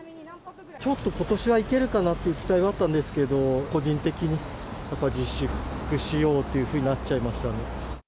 ちょっとことしは行けるかなという期待はあったんですけど、個人的にやっぱり自粛しようっていうふうになっちゃいましたね。